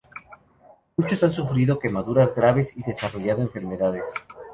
Muchos han sufrido quemaduras graves y desarrollado enfermedades.